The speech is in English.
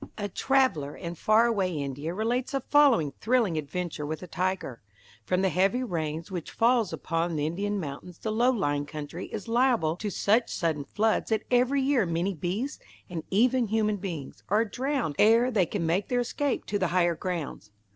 A traveler in faraway India relates the following thrilling adventure with a tiger: From the heavy rain which falls upon Indian mountains the low lying country is liable to such sudden floods that every year many beasts, and even human beings, are drowned ere they can make their escape to the higher grounds.